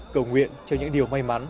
cầu nguyện cho những điều may mắn